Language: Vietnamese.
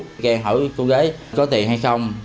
vị can hỏi cô gái có tiền hay không